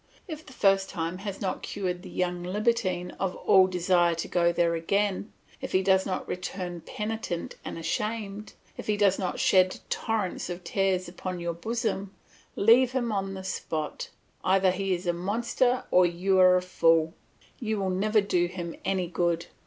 If the first time has not cured the young libertine of all desire to go there again, if he does not return penitent and ashamed, if he does not shed torrents of tears upon your bosom, leave him on the spot; either he is a monster or you are a fool; you will never do him any good.